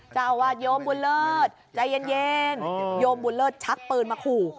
เจ้าอาวาสโยมบุญเลิศใจเย็นโยมบุญเลิศชักปืนมาขู่